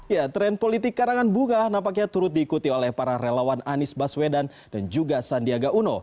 ya tren politik karangan bunga nampaknya turut diikuti oleh para relawan anies baswedan dan juga sandiaga uno